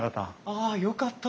ああよかった！